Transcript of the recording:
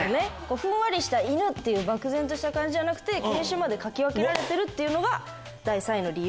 ふんわりした犬！っていう漠然とした感じじゃなくて犬種まで描き分けられてるのが第３位の理由。